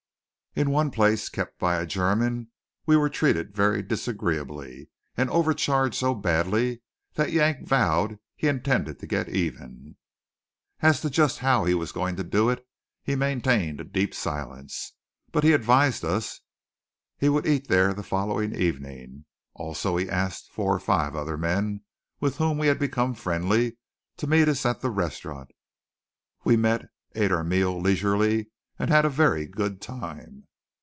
In one place, kept by a German, we were treated very disagreeably, and overcharged so badly that Yank vowed he intended to get even. As to just how he was going to do it, he maintained a deep silence; but he advised us he would eat there the following evening. Also he asked four or five other men, with whom we had become friendly, to meet us at the restaurant. We met, ate our meal leisurely, and had a very good time.